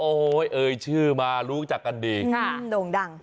โอ้โหเอ่ยชื่อมารู้จักกันดีค่ะโด่งดัง